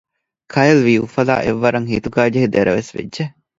ކައިލް ވީ އުފަލާ އެއްވަރަށް ހިތުގައިޖެހި ދެރަވެސް ވެއްޖެ